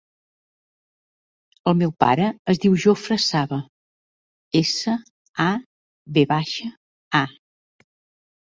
El meu pare es diu Jofre Sava: essa, a, ve baixa, a.